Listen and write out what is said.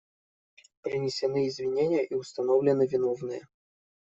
Принесены извинения и установлены виновные.